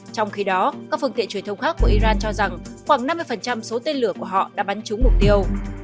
trong khi đó các phương tiện truyền thông khác của iran cho rằng khoảng năm mươi số tên lửa của họ đã bắn trúng mục tiêu